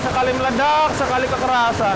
sekali meledak sekali kekerasan